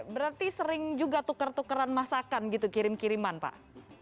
berarti sering juga tukar tukaran masakan gitu kirim kiriman pak